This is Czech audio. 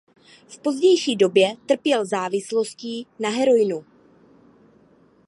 V pozdější době trpěl závislostí na heroinu.